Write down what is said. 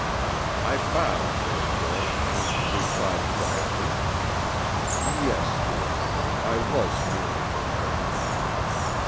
I bowed therefore and replied quietly, "Yes, your honor, I was merely her friend."